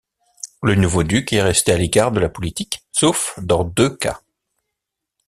Le nouveau duc est resté à l'écart de la politique, sauf dans deux cas.